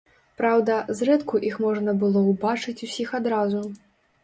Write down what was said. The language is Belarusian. Праўда, зрэдку іх можна было ўбачыць усіх адразу.